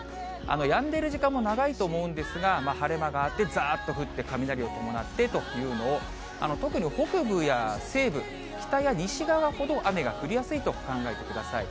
やんでいる時間も長いと思うんですが、晴れ間があって、ざーっと降って、雷を伴ってというのを、特に北部や西部、北や西側ほど雨が降りやすいと考えてください。